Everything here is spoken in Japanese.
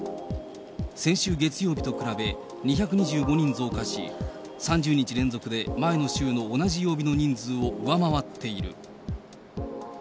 先週月曜日と比べ、２２５人増加し、３０日連続で前の週の同じ曜日の人数を上回っている。